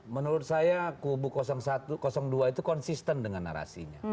menurut saya kubu dua itu konsisten dengan narasinya